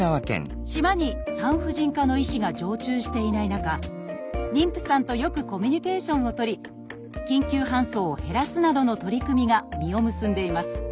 島に産婦人科の医師が常駐していない中妊婦さんとよくコミュニケーションを取り緊急搬送を減らすなどの取り組みが実を結んでいます。